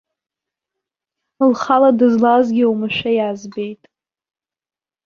Лхала дызлаазгьы оумашәа иаазбеит.